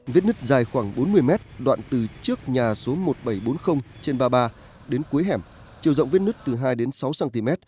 vết nứt dài khoảng bốn mươi mét đoạn từ trước nhà số một nghìn bảy trăm bốn mươi trên ba mươi ba đến cuối hẻm chiều rộng vết nứt từ hai đến sáu cm